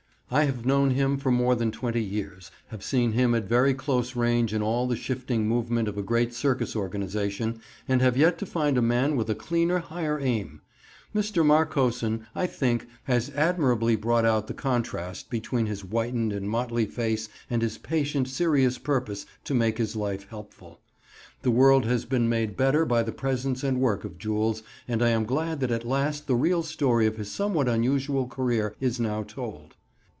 I have known him for more than twenty years; have seen him at very close range in all the shifting movement of a great circus organization, and I have yet to find a man with a cleaner, higher aim. Mr. Marcosson, I think, has admirably brought out the contrast between his whitened and motley face and his patient, serious purpose to make his life helpful. The world has been made better by the presence and work of Jules, and I am glad that at last the real story of his somewhat unusual career is now told.